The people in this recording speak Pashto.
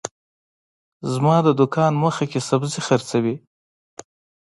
زما د دوکان مخه کي سبزي حرڅوي